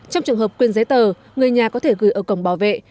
trong trường hợp quyên giấy tờ người nhà có thể gửi ở cổng bảo vệ